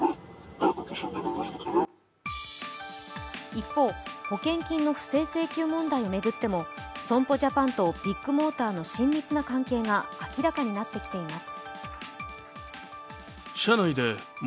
一方、保険金の不正請求問題を巡っても損保ジャパンとビッグモーターの親密な関係が明らかになってきています。